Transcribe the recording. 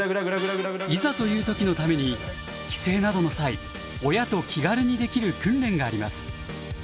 いざという時のために帰省などの際親と気軽にできる訓練があります。